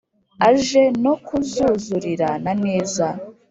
aje no kuzuzurira na neza